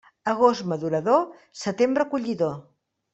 Agost madurador, setembre collidor.